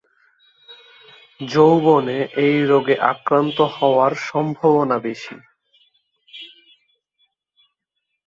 যৌবনে এই রোগে আক্রান্ত হওয়ার সম্ভাবনা বেশি।